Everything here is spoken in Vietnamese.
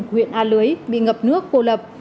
huyện a lưới bị ngập nước cô lập